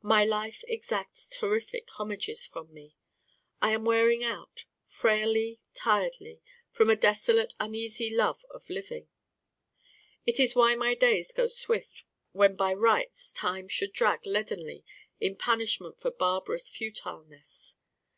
My life exacts terrific homages from me. I am wearing out frailly, tiredly, from a desolate uneasy love of living. It is why my days go Swift when by rights time should drag leadenly in punishment for barbarous futileness.